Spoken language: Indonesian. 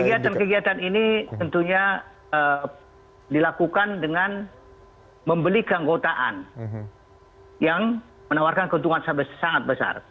kegiatan kegiatan ini tentunya dilakukan dengan membeli keanggotaan yang menawarkan keuntungan sangat besar